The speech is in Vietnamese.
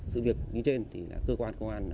sự việc như trên thì cơ quan công an